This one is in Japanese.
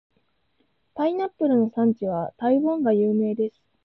パイナップルの産地は台湾が有名です。